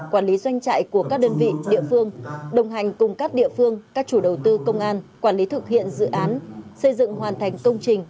quản lý doanh trại của các đơn vị địa phương đồng hành cùng các địa phương các chủ đầu tư công an quản lý thực hiện dự án xây dựng hoàn thành công trình